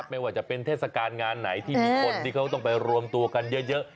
ไม่ว่าจะเป็นเทศกาลงานไหนที่มีคนที่เขาต้องไปรวมตัวกันเยอะ